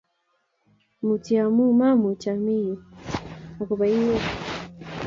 Mutyo amuu mamuch amii yu akoba inyee